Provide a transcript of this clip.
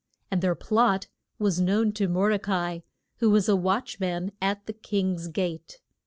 And their plot was known to Mor de ca i, who was a watch man at the king's gate.